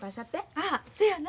ああそやな。